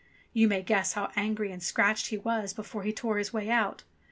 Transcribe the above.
You may guess how angry and scratched he was before he tore his way out.